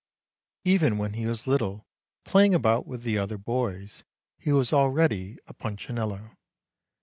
Even when he was little, play ing about with the other boys, he was already a Punchinello.